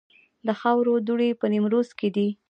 د خاورو دوړې په نیمروز کې دي